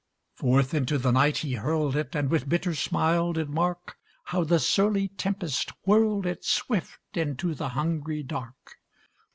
Forth into the night he hurled it, And with bitter smile did mark How the surly tempest whirled it Swift into the hungry dark.